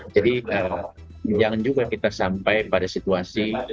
jadi jangan juga kita sampai pada situasi